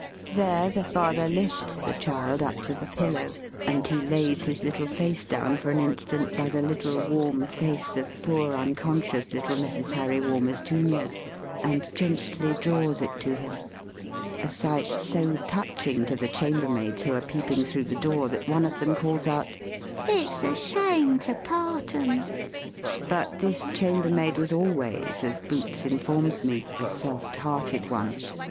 There the father lifts the child up to the pillow, and he lays his little face down for an instant by the little warm face of poor unconscious little Mrs. Harry Walmers, Junior, and gently draws it to him, a sight so touching to the chambermaids who are peeping through the door, that one of them calls out, "It's a shame to part 'em!" But this chambermaid was always, as Boots informs me, a soft hearted one.